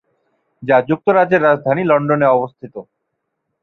যা যুক্তরাজ্যের রাজধানী লন্ডনে অবস্থিত।